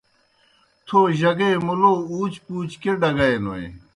تھو جگے مُلَو اُوچ پُوچ کیْہ ڈگائینوئے؟